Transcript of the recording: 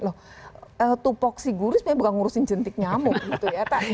loh tupok si guru sebenarnya bukan ngurusin jentik nyamuk gitu ya